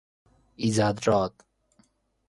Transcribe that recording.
ایزدراد